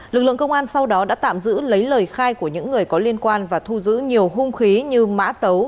lực lượng công an sau đó đã tạm giữ lấy lời khai của những người có liên quan và thu giữ nhiều hung khí như mã tấu